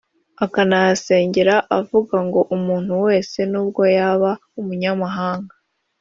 akanahasengera avuga ngo umuntu wese nubwo yaba umunyamahanga